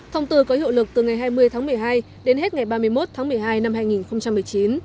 thông tư có hiệu lực từ ngày hai mươi tháng một mươi hai đến hết ngày ba mươi một tháng một mươi hai năm hai nghìn một mươi chín